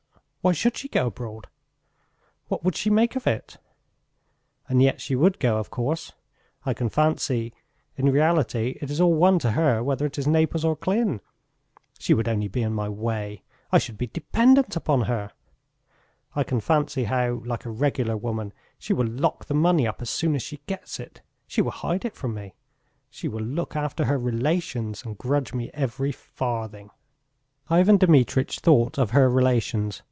why should she go abroad? What would she make of it? And yet she would go, of course.... I can fancy... In reality it is all one to her, whether it is Naples or Klin. She would only be in my way. I should be dependent upon her. I can fancy how, like a regular woman, she will lock the money up as soon as she gets it.... She will hide it from me.... She will look after her relations and grudge me every farthing." Ivan Dmitritch thought of her relations.